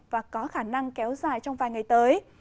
và có khả năng kéo dài trong vài ngày tới